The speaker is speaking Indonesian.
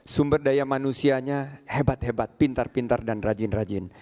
sumber daya manusianya hebat hebat pintar pintar dan rajin rajin